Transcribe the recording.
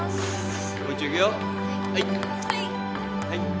はい。